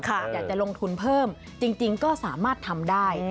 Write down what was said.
อยากจะลงทุนเพิ่มจริงก็สามารถทำได้